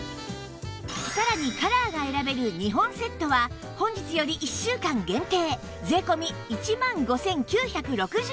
さらにカラーが選べる２本セットは本日より１週間限定税込１万５９６０円です